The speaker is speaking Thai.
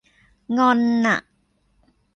งอนอะ